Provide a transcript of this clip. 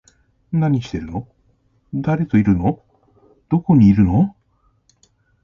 何してるの？誰といるの？どこにいるの？